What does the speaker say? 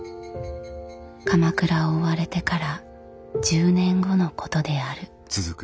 鎌倉を追われてから１０年後のことである。